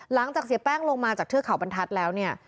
เสียแป้งลงมาจากเทือกเขาบรรทัศน์แล้วเนี่ย